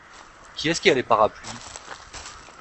Qui est-ce qui a les parapluies ?…